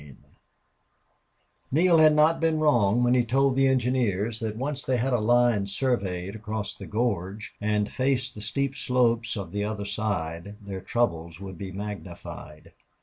5 Neale had not been wrong when he told the engineers that once they had a line surveyed across the gorge and faced the steep slopes of the other side their troubles would be magnified.